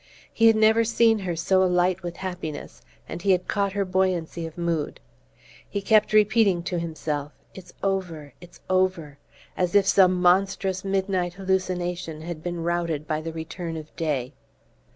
He had never seen her so alight with happiness, and he had caught her buoyancy of mood. He kept repeating to himself: "It's over it's over," as if some monstrous midnight hallucination had been routed by the return of day.